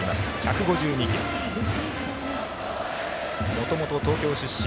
もともと東京出身。